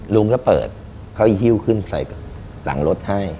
ลุงก็เปิดเขาหิ้วขึ้นใส่หลังรถให้